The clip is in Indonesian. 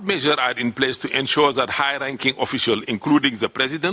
apa yang dilakukan untuk memastikan para orang yang berkualitas tinggi termasuk presiden